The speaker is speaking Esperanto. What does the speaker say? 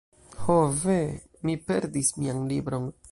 Ho ve! Mi perdis mian libron